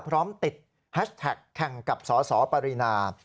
พร้อมติดแฮชแท็กแข่งกับสสปรินา